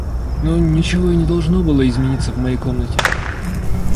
Но ничего и не должно было измениться в моей комнате.